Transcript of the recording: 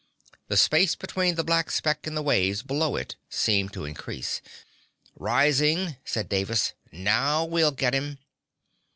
The space between the black speck and the waves below it seemed to increase. "Rising," said Davis. "Now we'll get him."